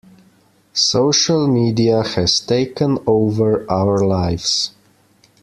Social media has taken over our lives.